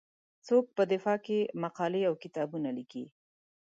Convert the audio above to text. څوک په دفاع کې مقالې او کتابونه لیکي.